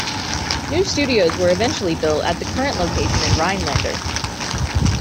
New studios were eventually built at the current location in Rhinelander.